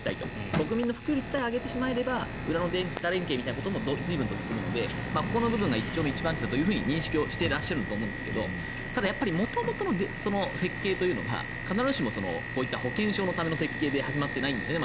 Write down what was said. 国民の普及率さえ上げてしまえば裏側の連携みたいなものも随分と進むのでここが一丁目一番地だと認識していると思うんですけどただ、元々の設計というのが必ずしもこういった保険証のための設計で始まってないんですね。